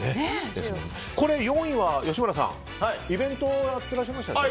４位は吉村さん、イベントやっていらっしゃいましたね。